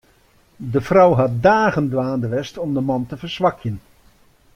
De frou hat dagen dwaande west om de man te ferswakjen.